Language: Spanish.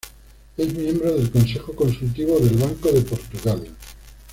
Es miembro del Consejo Consultivo del Banco de Portugal.